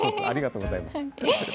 ありがとうございます。